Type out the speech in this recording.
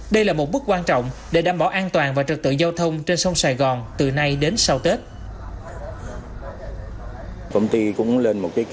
đây là một bước quan trọng để đảm bảo an toàn và trật tự giao thông trên sông sài gòn từ nay đến sau tết